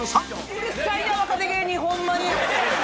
うるさいな若手芸人ホンマに！